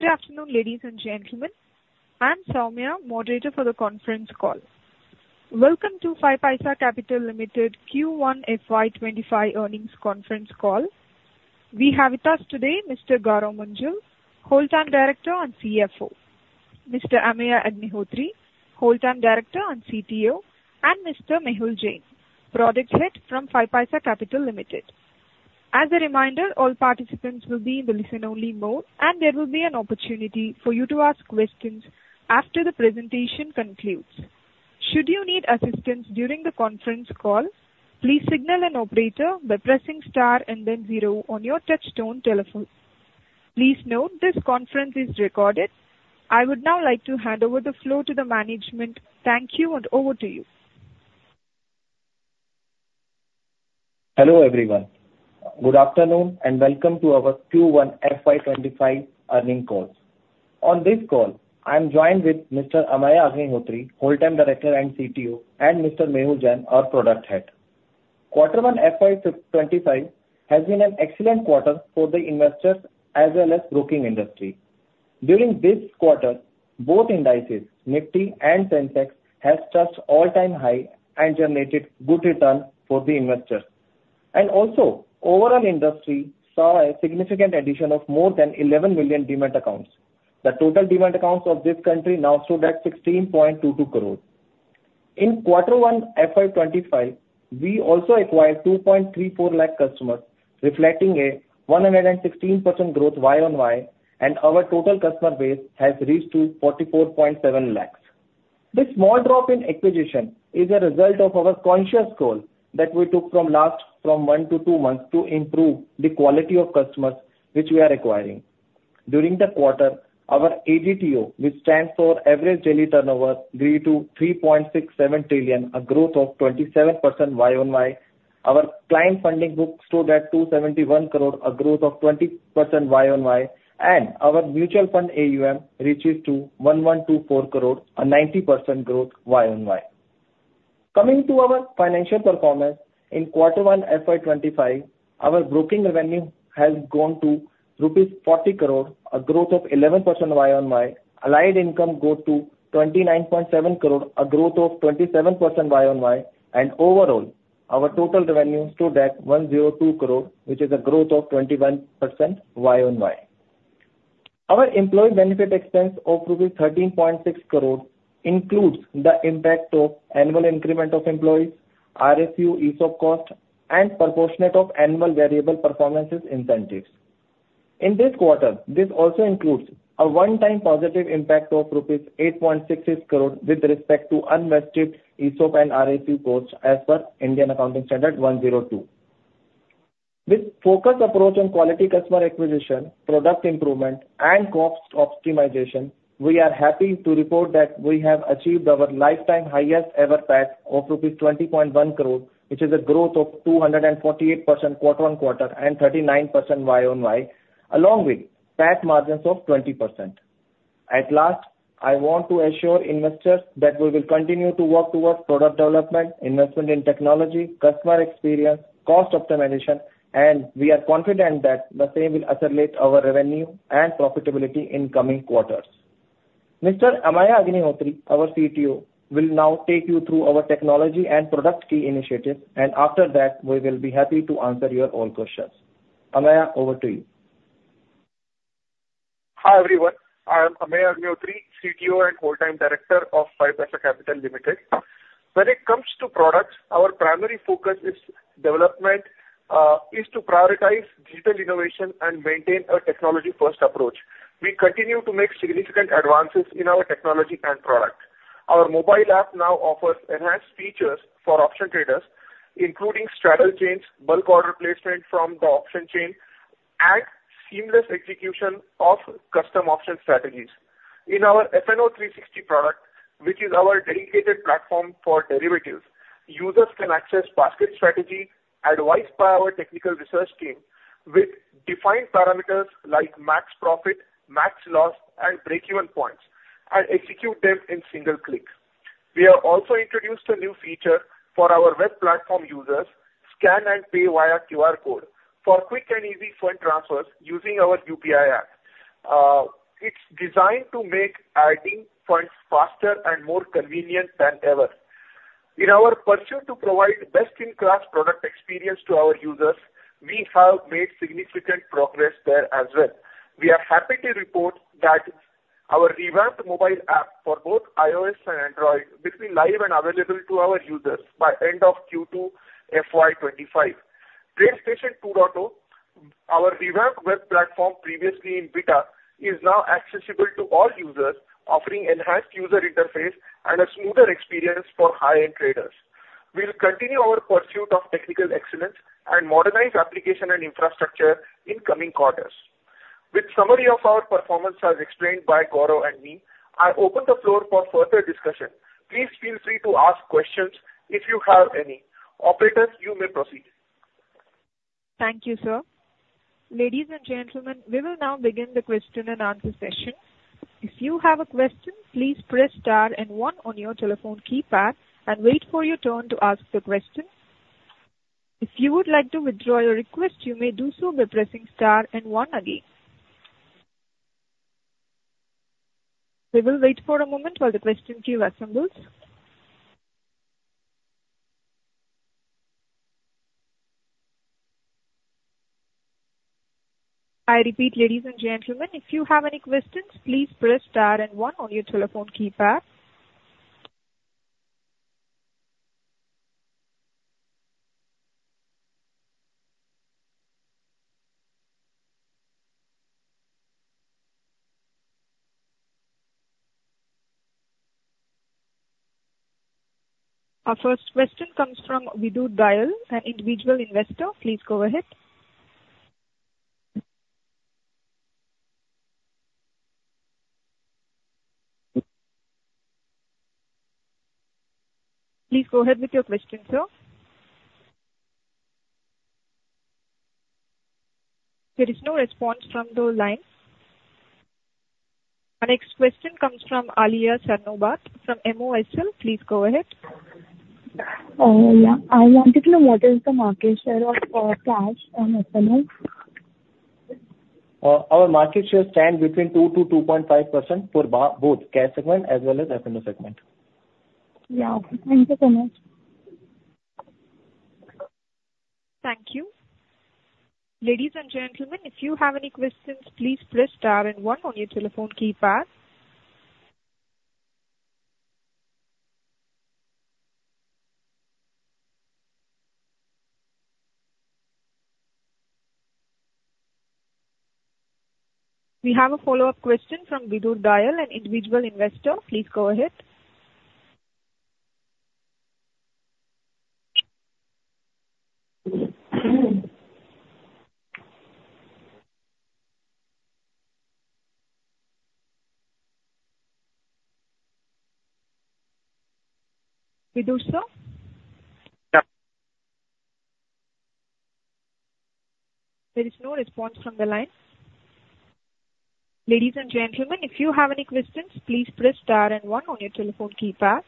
Good afternoon, ladies and gentlemen. I'm Soumya, moderator for the conference call. Welcome to 5paisa Capital Limited Q1 FY 2025 earnings conference call. We have with us today Mr. Gourav Munjal, Whole-Time Director and CFO, Mr. Ameya Agnihotri, Whole-Time Director and CTO, and Mr. Mehul Jain, Product Head from 5paisa Capital Limited. As a reminder, all participants will be in the listen-only mode, and there will be an opportunity for you to ask questions after the presentation concludes. Should you need assistance during the conference call, please signal an operator by pressing star and then zero on your touchtone telephone. Please note, this conference is recorded. I would now like to hand over the floor to the management. Thank you, and over to you. Hello, everyone. Good afternoon, and welcome to our Q1 FY 2025 earnings call. On this call, I'm joined with Mr. Ameya Agnihotri, Whole-Time Director and CTO, and Mr. Mehul Jain, our Product Head. quarter one FY 2025 has been an excellent quarter for the investors as well as broking industry. During this quarter, both indices, Nifty and Sensex, has touched all-time high and generated good return for the investors. Also, overall industry saw a significant addition of more than 11 million demat accounts. The total demat accounts of this country now stood at 16.22 crores. In quarter one FY 2025, we also acquired 2.34 lakh customers, reflecting a 116% growth year-on-year, and our total customer base has reached to 44.7 lakhs. This small drop in acquisition is a result of our conscious goal that we took from last, from one to two months to improve the quality of customers, which we are acquiring. During the quarter, our ADTO, which stands for Average Daily Turnover, grew to INR 3.67 trillion, a growth of 27% year-on-year. Our client funding book stood at INR 271 crore, a growth of 20% year-on-year, and our mutual fund AUM reaches to INR 1,124 crore, a 90% growth YoY. Coming to our financial performance, in quarter one FY 2025, our broking revenue has grown to rupees 40 crore, a growth of 11% year-on-year. Allied income grow to 29.7 crore, a growth of 27% year-on-year. Overall, our total revenue stood at 102 crore, which is a growth of 21% YoY. Our employee benefit expense of INR 13.6 crore includes the impact of annual increment of employees, RSU, ESOP cost, and proportionate of annual variable performances incentives. In this quarter, this also includes a one-time positive impact of rupees 8.66 crore with respect to unvested ESOP and RSU costs as per Indian Accounting Standard 102. With focused approach on quality customer acquisition, product improvement, and cost optimization, we are happy to report that we have achieved our lifetime highest ever PAT of rupees 20.1 crore, which is a growth of 248% quarter-on-quarter and 39% year-on-year, along with PAT margins of 20%. At last, I want to assure investors that we will continue to work towards product development, investment in technology, customer experience, cost optimization, and we are confident that the same will accelerate our revenue and profitability in coming quarters. Mr. Ameya Agnihotri, our CTO, will now take you through our technology and product key initiatives, and after that, we will be happy to answer your all questions. Ameya, over to you. Hi, everyone. I am Ameya Agnihotri, CTO and Whole-Time Director of 5paisa Capital Limited. When it comes to products, our primary focus is development is to prioritize digital innovation and maintain a technology-first approach. We continue to make significant advances in our technology and product. Our mobile app now offers enhanced features for option traders, including straddle chains, bulk order placement from the option chain, and seamless execution of custom option strategies. In our FNO 360 product, which is our dedicated platform for derivatives, users can access basket strategy, advised by our technical research team, with defined parameters like max profit, max loss, and break-even points, and execute them in single click. We have also introduced a new feature for our web platform users, scan and pay via QR code, for quick and easy fund transfers using our UPI app. It's designed to make adding funds faster and more convenient than ever. In our pursuit to provide best-in-class product experience to our users, we have made significant progress there as well. We are happy to report that our revamped mobile app for both iOS and Android will be live and available to our users by end of Q2 FY 2025. Trade Station 2.0, our revamped web platform previously in beta, is now accessible to all users, offering enhanced user interface and a smoother experience for high-end traders. We'll continue our pursuit of technical excellence and modernize application and infrastructure in coming quarters. With summary of our performance as explained by Gourav and me, I open the floor for further discussion. Please feel free to ask questions if you have any. Operators, you may proceed. Thank you, sir. Ladies and gentlemen, we will now begin the question-and-answer session. If you have a question, please press star and one on your telephone keypad and wait for your turn to ask the question.... If you would like to withdraw your request, you may do so by pressing star and one again. We will wait for a moment while the question queue assembles. I repeat, ladies and gentlemen, if you have any questions, please press star and one on your telephone keypad. Our first question comes from Vidur Dayal, an individual investor. Please go ahead. Please go ahead with your question, sir. There is no response from the line. Our next question comes from Aaliya Sarnobat, from MOFL. Please go ahead. Yeah, I wanted to know what is the market share of cash on F&O? Our market share stand between 2%-2.5% for both cash segment as well as FNO segment. Yeah. Thank you so much. Thank you. Ladies and gentlemen, if you have any questions, please press star and one on your telephone keypad. We have a follow-up question from Vidur Dayal, an individual investor. Please go ahead. Vidur, sir? Yeah. There is no response from the line. Ladies and gentlemen, if you have any questions, please press star and one on your telephone keypad.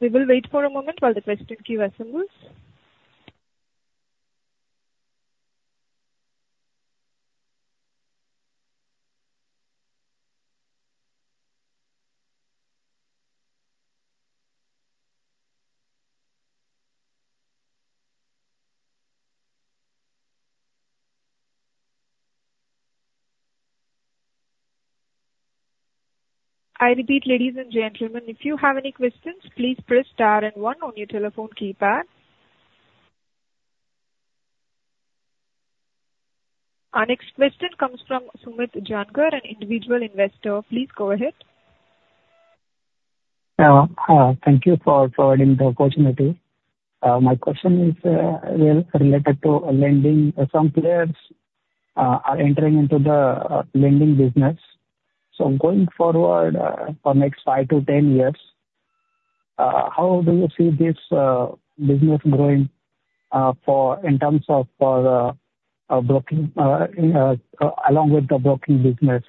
We will wait for a moment while the question queue assembles. I repeat, ladies and gentlemen, if you have any questions, please press star and one on your telephone keypad. Our next question comes from Sumit Jangra, an individual investor. Please go ahead. Thank you for providing the opportunity. My question is related to lending. Some players are entering into the lending business. So going forward, for next five to 10 years, how do you see this business growing in terms of broking along with the broking business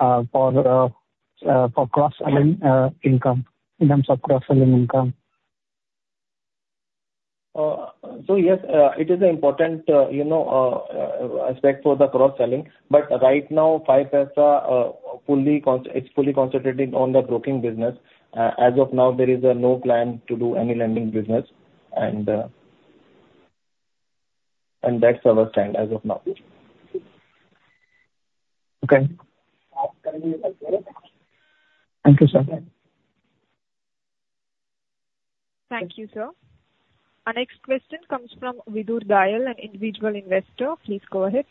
for cross-selling income, in terms of cross-selling income? So yes, it is important, you know, aspect for the cross-selling, but right now, 5paisa is fully concentrated on the broking business. As of now, there is no plan to do any lending business, and that's our stand as of now. Okay. Thank you, sir. Thank you, sir. Our next question comes from Vidur Dayal, an individual investor. Please go ahead.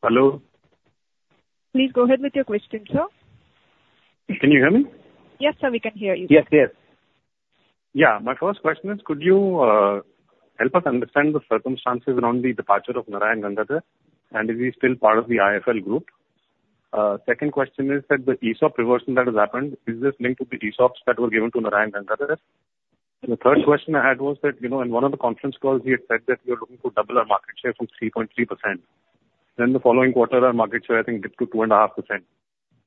Hello? Please go ahead with your question, sir. Can you hear me? Yes, sir, we can hear you. Yes, yes. Yeah. My first question is, could you help us understand the circumstances around the departure of Narayan Gangadhar, and is he still part of the IIFL Group? Second question is that the ESOP reversal that has happened, is this linked to the ESOPs that were given to Narayan Gangadhar? And the third question I had was that, you know, in one of the conference calls, he had said that we are looking to double our market share from 3.3%. Then the following quarter, our market share, I think, dipped to 2.5%.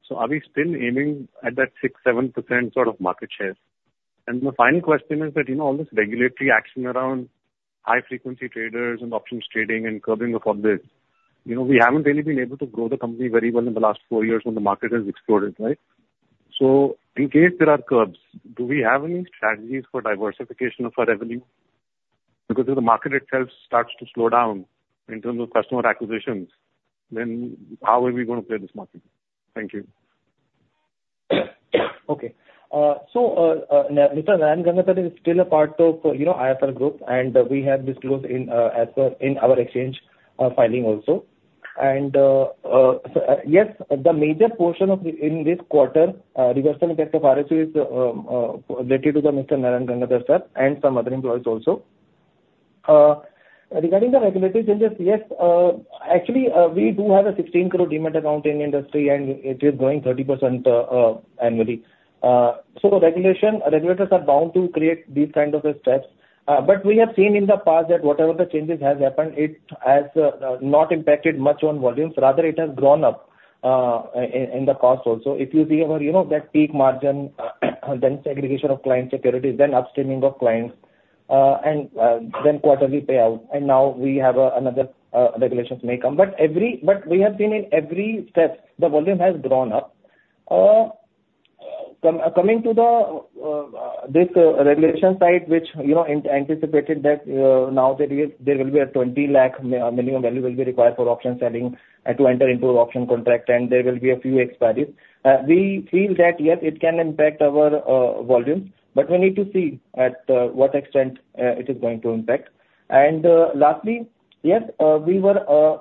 So are we still aiming at that 6%-7% sort of market share? My final question is that, you know, all this regulatory action around high-frequency traders and options trading and curbing of all this, you know, we haven't really been able to grow the company very well in the last four years when the market has exploded, right? So in case there are curbs, do we have any strategies for diversification of our revenue? Because if the market itself starts to slow down in terms of customer acquisitions, then how are we going to play this market? Thank you. Okay. So, Mr. Narayan Gangadhar is still a part of, you know, IIFL Group, and we have disclosed in, as per, in our exchange, filing also. And, yes, the major portion of the, in this quarter, reversion effect of RSU is related to the Mr. Narayan Gangadhar, sir, and some other employees also. Regarding the regulatory changes, yes, actually, we do have a 16 crore demat account in the industry, and it is growing 30% annually. So regulators are bound to create these kind of steps, but we have seen in the past that whatever the changes has happened, it has not impacted much on volumes, rather it has grown up in the past also. If you see our, you know, that peak margin, then segregation of client securities, then upstreaming of clients, and then quarterly payout, and now we have another regulations may come. But we have seen in every step, the volume has grown up. Coming to the this regulation side, which, you know, anticipated that now there is, there will be a 20 lakh minimum value will be required for option selling to enter into option contract, and there will be a few expiries. We feel that, yes, it can impact our volume, but we need to see at what extent it is going to impact. Lastly, yes, we were,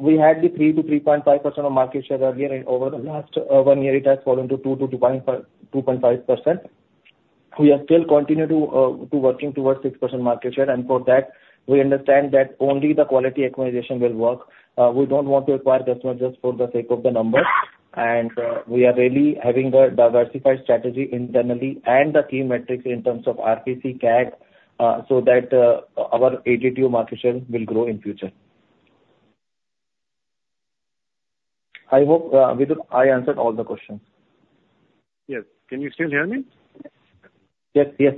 we had the 3%-3.5% of market share earlier, and over the last one year it has fallen to 2%-2.5%. We are still continue to working towards 6% market share, and for that, we understand that only the quality acquisition will work. We don't want to acquire customers just for the sake of the numbers. And, we are really having a diversified strategy internally and the key metrics in terms of RPC, CAC, so that our ADTO market share will grow in future. I hope, Vidur, I answered all the questions. Yes. Can you still hear me? Yes. Yes.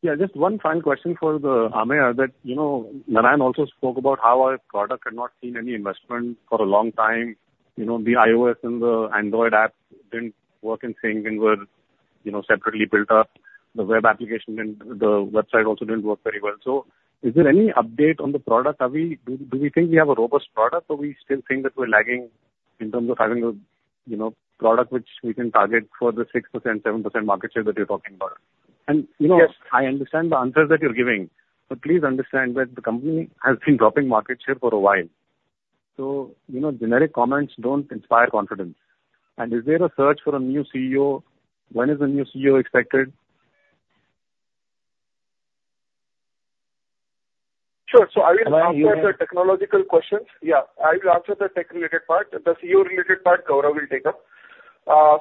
Yeah, just one final question for the Ameya, that, you know, Narayan also spoke about how our product had not seen any investment for a long time. You know, the iOS and the Android app didn't work in sync and were, you know, separately built up. The web application and the website also didn't work very well. So is there any update on the product? Are we... Do, do we think we have a robust product, or we still think that we're lagging in terms of having a, you know, product which we can target for the 6%, 7% market share that you're talking about? Yes. You know, I understand the answers that you're giving, but please understand that the company has been dropping market share for a while. You know, generic comments don't inspire confidence. Is there a search for a new CEO? When is the new CEO expected? Sure. So I will answer the technological questions. Yeah, I will answer the tech-related part. The CEO-related part, Gourav will take up.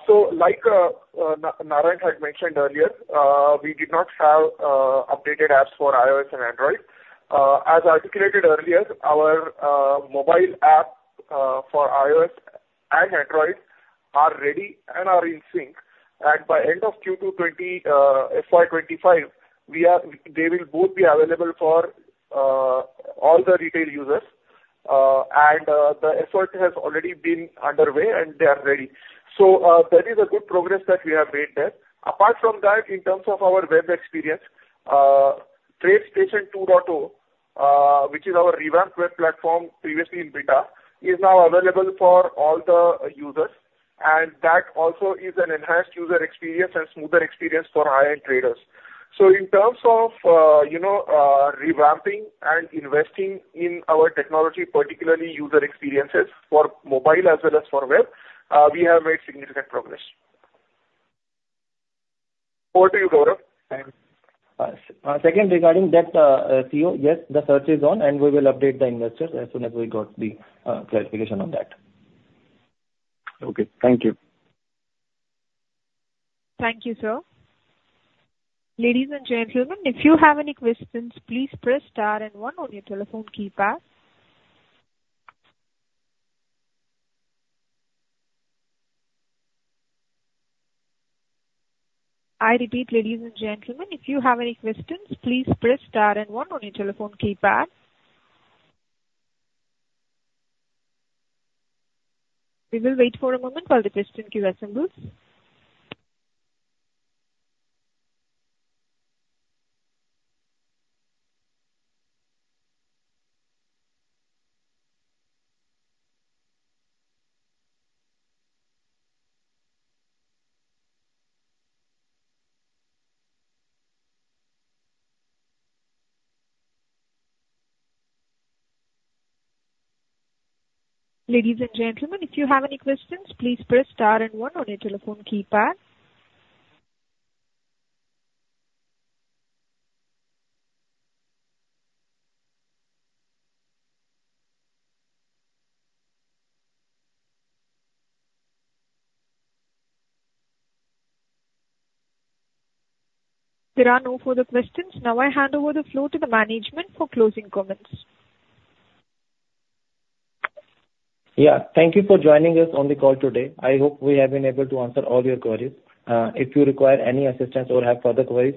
So like, Narayan had mentioned earlier, we did not have updated apps for iOS and Android. As articulated earlier, our mobile app for iOS and Android are ready and are in sync. And by end of Q2 FY 2025, they will both be available for all the retail users. And the effort has already been underway, and they are ready. So that is a good progress that we have made there. Apart from that, in terms of our web experience, Trade Station 2.0, which is our revamped web platform, previously in beta, is now available for all the users, and that also is an enhanced user experience and smoother experience for high-end traders. So in terms of, you know, revamping and investing in our technology, particularly user experiences for mobile as well as for web, we have made significant progress. Over to you, Gourav. Second, regarding that CEO, yes, the search is on, and we will update the investors as soon as we got the clarification on that. Okay. Thank you. Thank you, sir. Ladies and gentlemen, if you have any questions, please press star and one on your telephone keypad. I repeat, ladies and gentlemen, if you have any questions, please press star and one on your telephone keypad. We will wait for a moment while the question queue assembles. Ladies and gentlemen, if you have any questions, please press star and one on your telephone keypad. There are no further questions. Now I hand over the floor to the management for closing comments. Yeah. Thank you for joining us on the call today. I hope we have been able to answer all your queries. If you require any assistance or have further queries,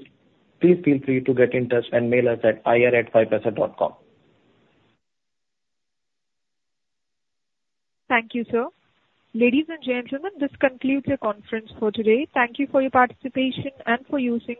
please feel free to get in touch and mail us at ir@5paisa.com. Thank you, sir. Ladies and gentlemen, this concludes your conference for today. Thank you for your participation and for using-